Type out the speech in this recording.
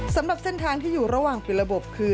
สำหรับเส้นทางที่อยู่ระหว่างปิดระบบคือ